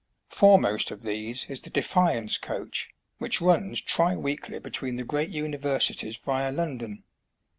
Foremost of these is the " Defiance Coach," which runs tri weekly between the great universities via London.